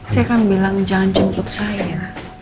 saya kan bilang jangan jengkluk saya